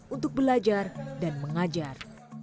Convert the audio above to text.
untuk belajar dan mengajar